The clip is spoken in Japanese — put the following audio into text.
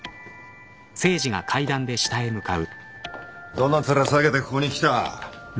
どの面下げてここに来た？